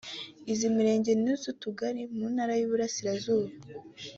iz’imirenge n’iz’utugari mu Ntara y’Iburasirazuba